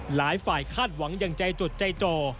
หลายฝ่ายคาดหวังอย่างใจจดใจจ่อ